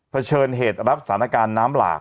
เชิดเหตุรับสถานการณ์น้ำหลาก